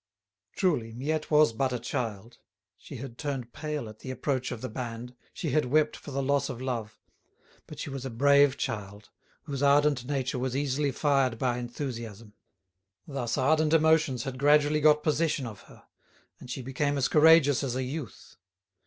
Truly, Miette was but a child. She had turned pale at the approach of the band, she had wept for the loss of love, but she was a brave child, whose ardent nature was easily fired by enthusiasm. Thus ardent emotions had gradually got possession of her, and she became as courageous as a youth.